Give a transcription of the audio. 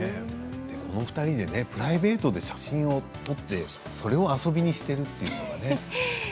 この２人でプライベートで写真を撮って、それを遊びにしているっていうのがね。